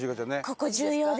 ここ重要です。